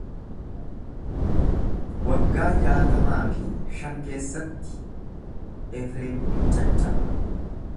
Waggaa jaatamaa fi shan keessatti Efreem in caccaba.